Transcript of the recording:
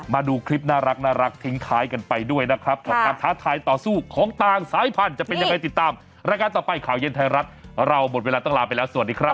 มาดูคลิปน่ารักทิ้งท้ายกันไปด้วยนะครับกับการท้าทายต่อสู้ของต่างสายพันธุ์จะเป็นยังไงติดตามรายการต่อไปข่าวเย็นไทยรัฐเราหมดเวลาต้องลาไปแล้วสวัสดีครับ